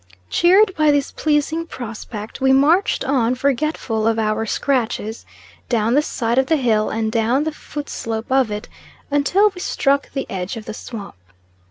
Cheered by this pleasing prospect, we marched on forgetful of our scratches, down the side of the hill, and down the foot slope of it, until we struck the edge of the swamp.